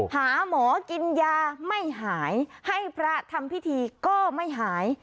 หาหมอกินยาไม่หายให้พระทำพิธีก็ไม่หาย